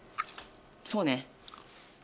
そうね。